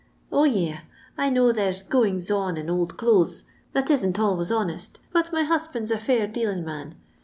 0, yis, I know there 's goings on in old clothes that isn't always honest, bat my hasband*i a (air dealing man.